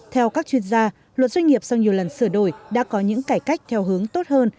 theo các chuyên gia luật doanh nghiệp sau nhiều lần sửa đổi đã có những cải cách theo hướng tốt hơn